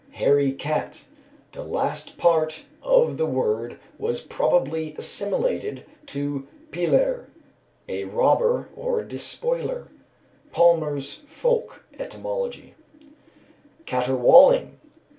"Hairy cat;" the last part of the word was probably assimilated to piller, a robber or despoiler (PALMER'S Folk Etymology). _Caterwauling.